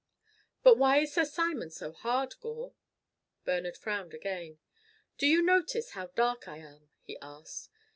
"But why is Sir Simon so hard, Gore?" Bernard frowned again. "Do you notice how dark I am?" he asked.